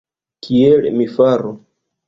Kiel mi faru!